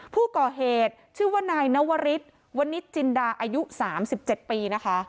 ผู้ก่อเหตุชื่อว่านายนวริสวนิจจินดาอายุสามสิบเจ็ดปีนะคะ